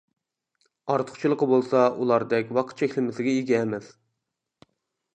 ئارتۇقچىلىقى بولسا ئۇلاردەك ۋاقىت چەكلىمىسىگە ئىگە ئەمەس.